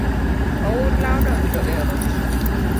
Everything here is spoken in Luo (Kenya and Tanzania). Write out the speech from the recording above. Oula odonjo e ot